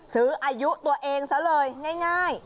ซื้ออายุตัวเองซะเลยง่าย